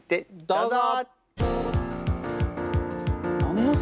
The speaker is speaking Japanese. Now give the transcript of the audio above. どうぞ！